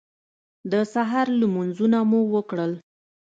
د سهار لمونځونه مو وکړل.